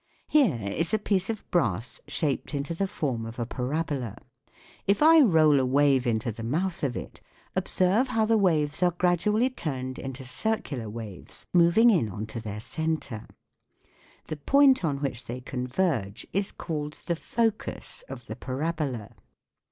Here is a piece of brass shaped into the form of a parabola. If I roll a wave into the mouth of it, observe how the waves are gradually turned into circular waves moving in on to their centre ; the point on which they converge is called the focus of the parabola.